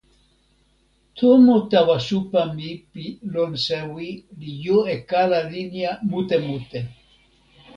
tomo tawa supa mi pi lon sewi li jo e kala linja mute mute